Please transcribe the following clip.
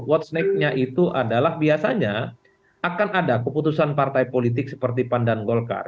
what's next nya itu adalah biasanya akan ada keputusan partai politik seperti pandan golkar